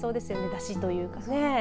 だしというかね。